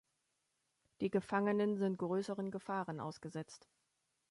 Die Gefangenen sind größeren Gefahren ausgesetzt.